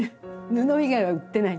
布以外は売ってない。